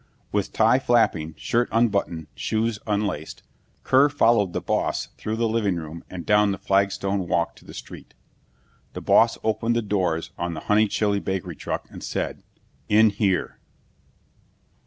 With tie flapping, shirt unbuttoned, shoes unlaced, Kear followed the boss through the living room and down the flagstone walk to the street. The boss opened the doors of the Honeychile Bakery truck and said, "In here."